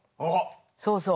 そうそう。